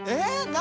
何？